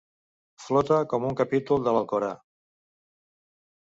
Flota com un capítol de l'Alcorà.